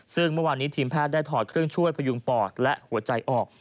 ซึ่งเมื่อวานนี้ทีมแพทย์ได้ถอดเครื่องช่วยพยุงปอดและหัวใจออก